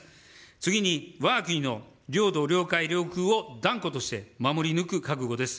次にわが国の領土、領海、領空を断固として守り抜く覚悟です。